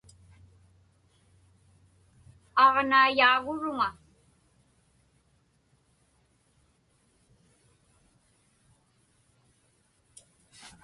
Aġnaiyaaguruŋa.